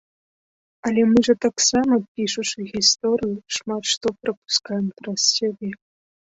Але мы жа таксама, пішучы гісторыю, шмат што прапускаем праз сябе.